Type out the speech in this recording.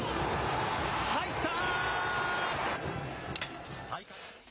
入った！